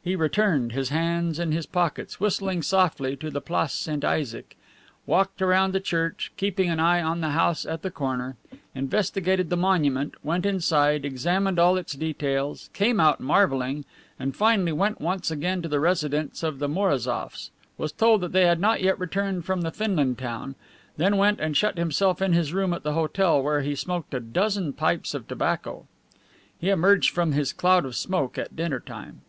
He returned, his hands in his pockets, whistling softly, to the Place St. Isaac, walked around the church, keeping an eye on the house at the corner, investigated the monument, went inside, examined all its details, came out marveling, and finally went once again to the residence of the Mourazoffs, was told that they had not yet returned from the Finland town, then went and shut himself in his room at the hotel, where he smoked a dozen pipes of tobacco. He emerged from his cloud of smoke at dinner time.